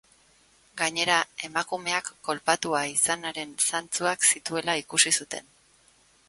Gainera, emakumeak kolpatua izanaren zantzuak zituela ikusi zuten.